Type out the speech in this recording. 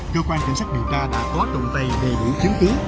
cơ quan kiểm soát điều tra đã có động tay đầy đủ chiếm cứu